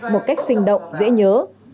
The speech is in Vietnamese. một cách sinh động dễ nhớ